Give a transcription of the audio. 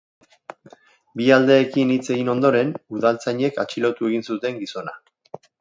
Bi aldeekin hitz egin ondoren, udaltzainek atxilotu egin zuten gizona.